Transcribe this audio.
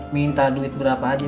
minta duit berapa aja